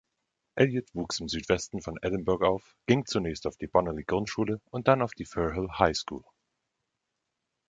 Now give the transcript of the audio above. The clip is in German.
Elliot wuchs im Südwesten von Edinburgh auf, ging zunächst auf die Bonaly-Grundschule und dann auf die Firrhill High School.